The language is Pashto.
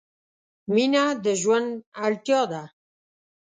مینه د ژوند اړتیا ده.